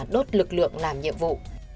đốt lực lượng làm nhiệm vụ